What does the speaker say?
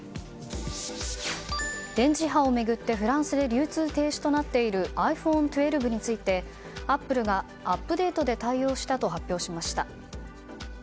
電磁波を巡ってフランスで流通停止となっているｉＰｈｏｎｅ１２についてアップルがアップデートで対応したと発表しました。